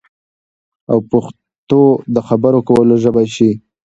او پښتو د خبرو کولو ژبه شي